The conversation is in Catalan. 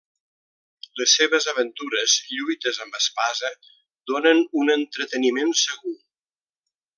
Les seves aventures, lluites amb espasa, donen un entreteniment segur.